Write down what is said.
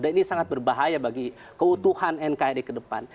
dan ini sangat berbahaya bagi keutuhan nkri ke depan